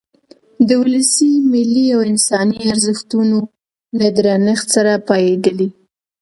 د ولسي، ملي او انساني ارزښتونو له درنښت سره پاېدلی.